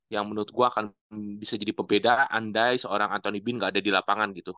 yang menurut gue akan bisa jadi pembeda andai seorang anthony bin gak ada di lapangan gitu